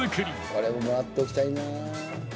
これももらっておきたいなあ。